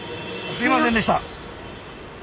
すみませんでした！